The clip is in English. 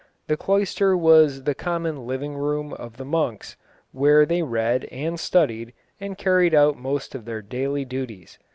The cloister was the common living room of the monks, where they read and studied, and carried out most of their daily duties.